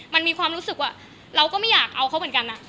มันมีความรู้สึกว่าเราก็ไม่อยากเอาเขาเหมือนกัน